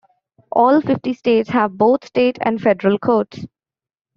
All fifty states have both state and federal courts.